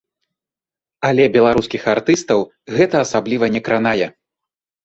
Але беларускіх артыстаў гэта асабліва не кранае.